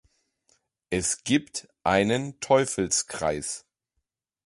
Es gibt einen Teufelskreis.